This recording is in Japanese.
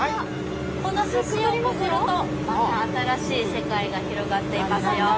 この橋をくぐるとまた新しい世界が広がっていますよ。